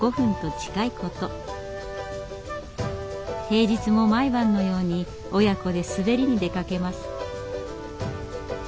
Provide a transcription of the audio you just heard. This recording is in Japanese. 平日も毎晩のように親子で滑りに出かけます。